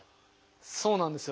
そうなんですよ。